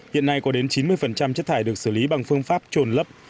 hiện nay có đến chín mươi chất thải được xử lý bằng phương pháp trồn lấp